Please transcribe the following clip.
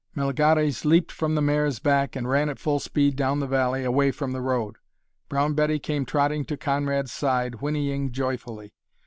Melgares leaped from the mare's back and ran at full speed down the valley, away from the road. Brown Betty came trotting to Conrad's side, whinnying joyfully.